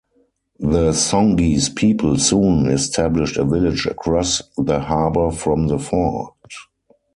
The Songhees people soon established a village across the harbour from the fort.